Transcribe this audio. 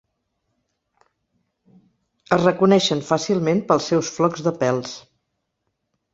Es reconeixen fàcilment pels seus flocs de pèls.